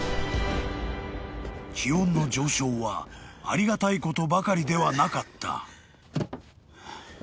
［気温の上昇はありがたいことばかりではなかった］